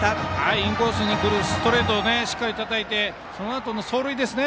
インコースに来るストレートをしっかりたたいてそのあとの走塁ですね。